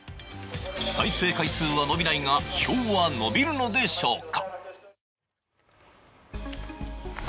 再生回数は伸びないが票は伸びるのでしょうか。